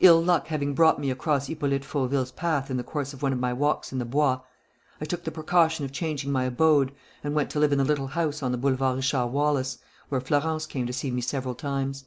Ill luck having brought me across Hippolyte Fauville's path in the course of one of my walks in the Bois, I took the precaution of changing my abode and went to live in the little house on the Boulevard Richard Wallace, where Florence came to see me several times.